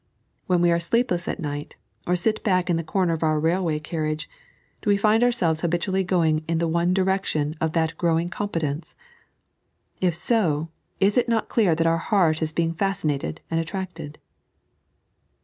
When we are sleepless at night, or sit back in the comer of our railway carriage, do we find ourselves habitually going in the one direction of that growing competence ? If bo, is it not clear that our heart is being fascinated and attracted